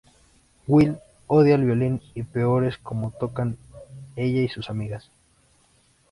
Will odia el violín y peor es como tocan ella y sus amigas.